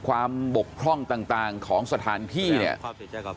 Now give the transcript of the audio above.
บกพร่องต่างของสถานที่เนี่ย